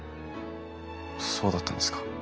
そうだったんですか。